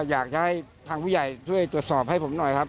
อยากจะให้ทางผู้ใหญ่ช่วยตรวจสอบให้ผมหน่อยครับ